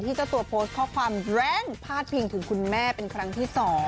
เจ้าตัวโพสต์ข้อความแรงพาดพิงถึงคุณแม่เป็นครั้งที่๒